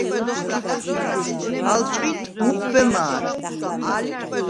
ალ ჭყინტ მუხვბე მა̄რ.